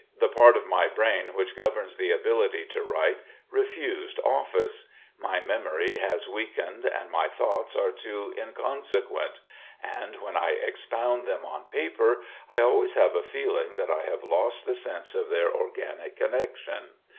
The part of my brain which governs the ability to write refused office. My memory has weakened, and my thoughts are too inconsequent; and when I expound them on paper, I always have a feeling that I have lost the sense of their organic connection.